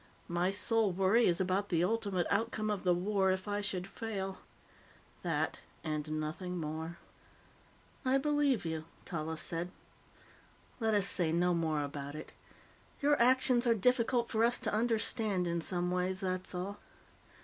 My sole worry is about the ultimate outcome of the war if I should fail. That, and nothing more." "I believe you," Tallis said. "Let us say no more about it. Your actions are difficult for us to understand, in some ways, that's all.